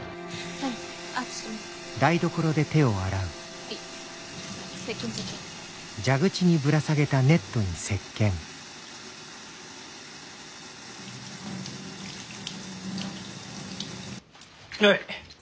はい。